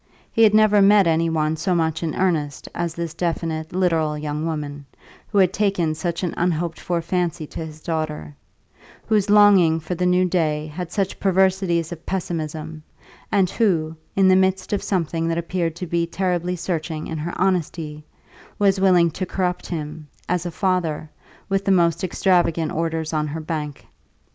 He had never met any one so much in earnest as this definite, literal young woman, who had taken such an unhoped for fancy to his daughter; whose longing for the new day had such perversities of pessimism, and who, in the midst of something that appeared to be terribly searching in her honesty, was willing to corrupt him, as a father, with the most extravagant orders on her bank.